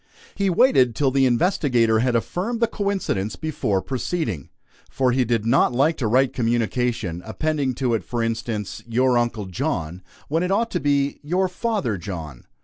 He waited till the investigator had affirmed the coincidence, before proceeding; for he did not like to write a communication, appending to it, for instance, "Your Uncle John," when it ought to be "Your Father John."